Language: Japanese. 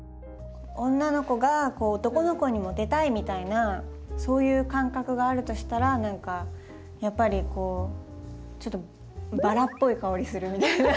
女の子が男の子にモテたいみたいなそういう感覚があるとしたら何かやっぱりこうちょっとバラっぽい香りするみたいな。